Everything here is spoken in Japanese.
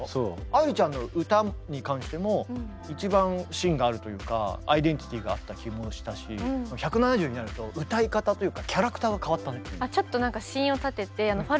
愛理ちゃんの歌に関しても一番芯があるというかアイデンティティーがあった気もしたし１７０になると歌い方というかキャラクターが変わったね。